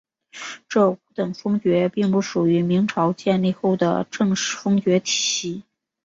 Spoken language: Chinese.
这五等封爵并不属于明朝建立后的正式封爵体系。